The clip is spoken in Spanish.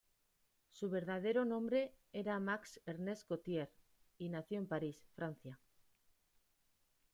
Su verdadero nombre era Max Ernest Gautier, y nació en París, Francia.